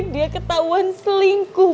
dia ketahuan selingkuh